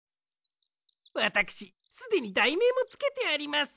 わたくしすでにだいめいもつけてあります。